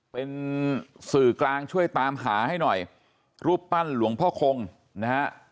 เป็นสื่อกลางช่วยตามหาให้หน่อยรูปปั้นหลวงพ่อคงนะฮะ